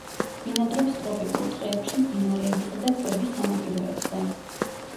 ბინადრობს ტროპიკულ ტყეებში მდინარეებისა და ტბების სანაპიროებზე.